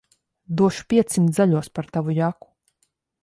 Došu piecsimt zaļos par tavu jaku.